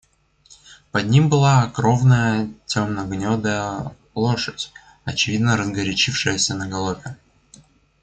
Под ним была кровная темно-гнедая лошадь, очевидно разгорячившаяся на галопе.